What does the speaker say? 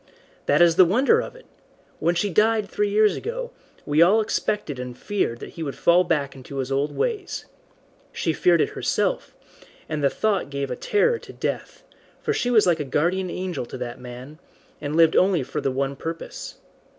"That is the wonder of it. When she died three years ago, we all expected and feared that he would fall back into his old ways. She feared it herself, and the thought gave a terror to death, for she was like a guardian angel to that man, and lived only for the one purpose.